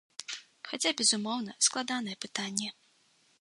Хаця, безумоўна, складанае пытанне.